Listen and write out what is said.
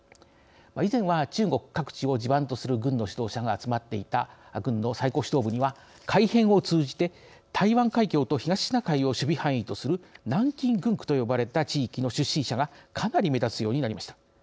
以前は中国各地を地盤とする軍の指導者が集まっていた軍の最高指導部には改変を通じて台湾海峡と東シナ海を守備範囲とする南京軍区と呼ばれた地域の出身者がかなり目立つようになりました。